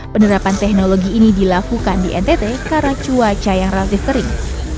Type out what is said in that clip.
penerapan teknologi ini dilakukan di ntt karena cuaca yang relatif kering